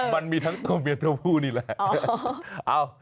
มันมีทั้งตัวเมียตัวผู้นี่แหละ